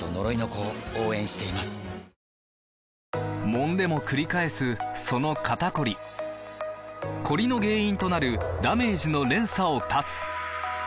もんでもくり返すその肩こりコリの原因となるダメージの連鎖を断つ！